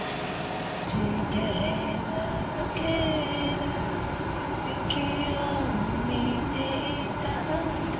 「落ちてはとける雪を見ていた」